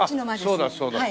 あっそうだそうだ。